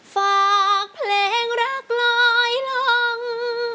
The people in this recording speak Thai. ฝากเพลงรักลอยลง